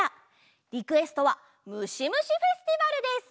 リクエストは「むしむしフェスティバル」です！